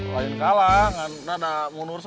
kalah karena ada munur